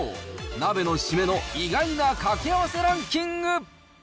鍋の締めの意外な掛け合わせランキング。